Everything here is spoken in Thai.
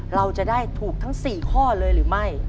เราจะได้ถูกทั้ง๔ข้อเลยหรือไม่